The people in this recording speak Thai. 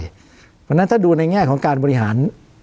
เพราะฉะนั้นถ้าดูในแง่ของการบริหาร